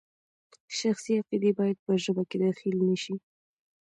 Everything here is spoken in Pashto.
شخصي عقیدې باید په ژبه کې دخیل نشي.